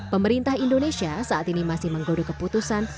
pemerintah indonesia saat ini masih menggodok keputusan